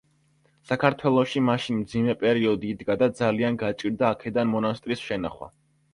საქართველოში მაშინ მძიმე პერიოდი იდგა და ძალიან გაჭირდა აქედან მონასტრის შენახვა.